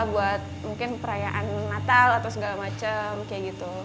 buat mungkin perayaan natal atau segala macem kayak gitu